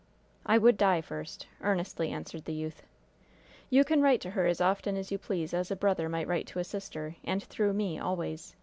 "I would die first," earnestly answered the youth. "You can write to her as often as you please as a brother might write to a sister, and through me, always.